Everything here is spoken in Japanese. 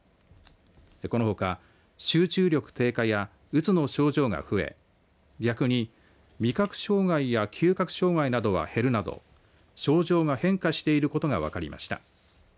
このほか集中力低下やうつの症状が増え逆に味覚障害や嗅覚障害などは減るなど症状が変化していることが分かりました。